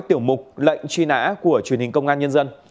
tiểu mục lệnh truy nã của truyền hình công an nhân dân